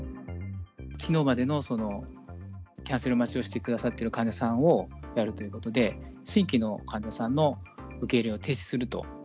きのうまでのキャンセル待ちをしてくださっている患者さんをやるということで、新規の患者さんの受け入れを停止すると。